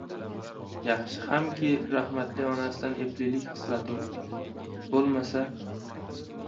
Yaxshi hamki rahmatli onasidan eplilik xislati o`tgan, bo`lmasa